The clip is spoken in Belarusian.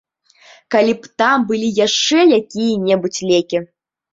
Калі б там былі яшчэ якія-небудзь лекі.